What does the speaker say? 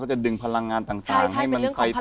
ก็จะดึงพลังงานต่างใช่เป็นเรื่องของพลัง